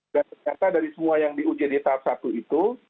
dan ternyata dari semua yang diuja di tahap satu itu